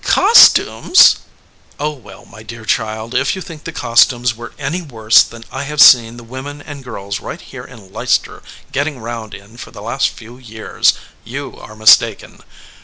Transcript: ; "Costumes!" "Oh, well, my dear child, if you think the cos tumes were any worse than I have seen the women and girls right here in Leicester getting round in for the last few years, you are mistaken.